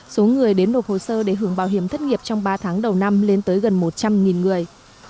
số người đến nộp hồ sơ để hưởng bảo hiểm thất nghiệp trong ba tháng đầu năm lên tới gần một trăm linh người